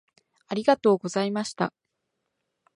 ありがとうございました。